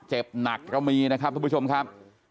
เจ็บหนักก็มีนะครับทุกผู้ชมครับ